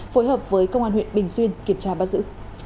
phối hợp với công an huyện bình xuyên kiểm tra bắt giữ